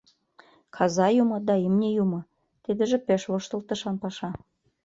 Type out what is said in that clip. Каза-юмо да имне-юмо! — тидыже пеш воштылтышан паша.